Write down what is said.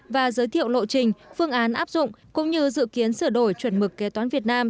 và giới thiệu lộ trình phương án áp dụng cũng như dự kiến sửa đổi chuẩn mực kế toán việt nam